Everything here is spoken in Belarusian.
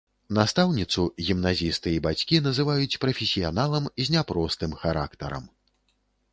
Настаўніцу гімназісты і бацькі называюць прафесіяналам з няпростым характарам.